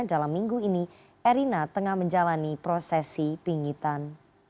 dalam minggu ini erina tengah menjalani prosesi pingitan